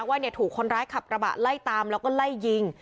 ว่าเนี่ยถูกคนร้ายขับกระบะไล่ตามแล้วก็ไล่ยิง